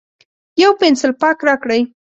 یو پینسیلپاک راکړئ